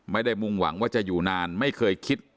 มุ่งหวังว่าจะอยู่นานไม่เคยคิด